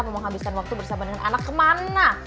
mau menghabiskan waktu bersama dengan anak kemana